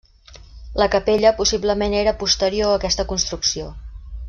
La capella possiblement era posterior a aquesta construcció.